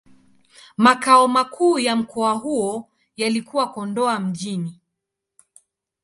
Makao makuu ya mkoa huo yalikuwa Kondoa Mjini.